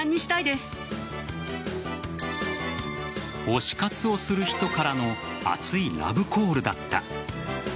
推し活をする人からの熱いラブコールだった。